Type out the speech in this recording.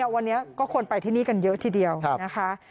วันนี้ก็คนไปที่นี่กันเยอะทีเดียวนะคะ